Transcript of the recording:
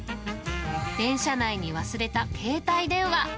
電車内に忘れた携帯電話。